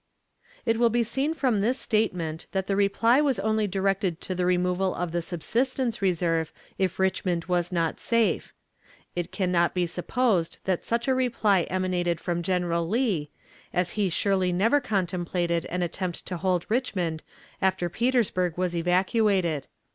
It will be seen from this statement that the reply was only directed to the removal of the subsistence reserve if Richmond was not safe. It can not be supposed that such a reply emanated from General Lee, as he surely never contemplated an attempt to hold Richmond after Petersburg was evacuated.